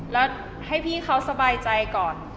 แล้วให้พี่เขาสบายใจก่อน